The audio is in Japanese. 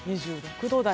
２６度台。